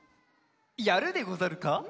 やるでござるか。